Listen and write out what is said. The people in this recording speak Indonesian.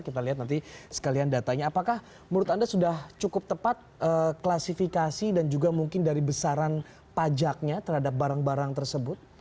kita lihat nanti sekalian datanya apakah menurut anda sudah cukup tepat klasifikasi dan juga mungkin dari besaran pajaknya terhadap barang barang tersebut